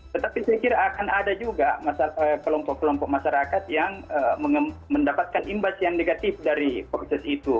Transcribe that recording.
tetapi saya kira akan ada juga kelompok kelompok masyarakat yang mendapatkan imbas yang negatif dari proses itu